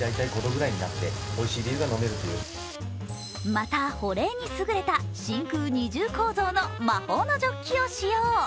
また、保冷に優れた真空二重構造の魔法のジョッキを仕様。